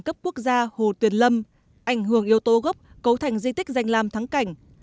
cấp quốc gia hồ tuyền lâm ảnh hưởng yếu tố gốc cấu thành di tích danh làm thắng cảnh